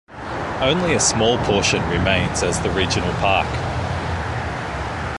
Only a small portion remains as the regional park.